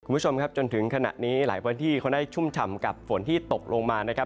คุณผู้ชมครับจนถึงขณะนี้หลายพื้นที่เขาได้ชุ่มฉ่ำกับฝนที่ตกลงมานะครับ